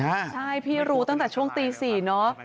ใช่พี่รู้ตั้งแต่ช่วงตี๔เนอะ